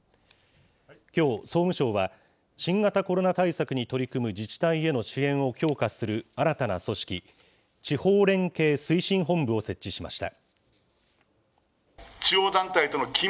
きょう、総務省は新型コロナ対策に取り組む自治体への支援を強化する新たな組織、地方連携推進本部を設置しました。